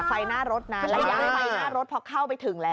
ไฟหน้ารถพอเข้าไปถึงแล้ว